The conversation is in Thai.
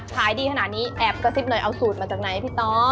ขายดีขนาดนี้แอบกระซิบหน่อยเอาสูตรมาจากไหนพี่ต้อ